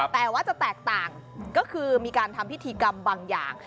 แต่ว่าจะแตกต่างก็คือมีการทำพิธีกรรมบางอย่าง